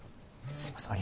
すいません